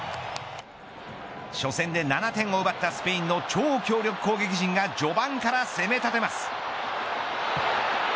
初戦で７点を奪ったスペインの超強力攻撃陣が序盤から攻め立てます。